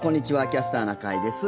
「キャスターな会」です。